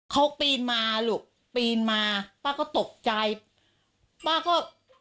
เขาปีนมาลูกปีนมาป้าก็ตกใจป้าก็